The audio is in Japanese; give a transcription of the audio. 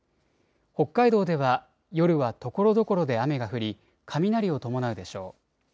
北海道では夜はところどころで雨が降り雷を伴うでしょう。